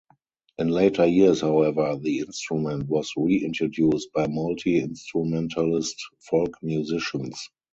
In later years, however, the instrument was reintroduced by multi-instrumentalist folk musicians.